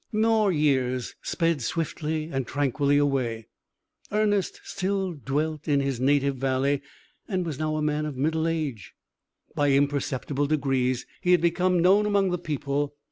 More years sped swiftly and tranquilly away. Ernest still dwelt in his native valley, and was now a man of middle age. By imperceptible degrees, he had become known among the people.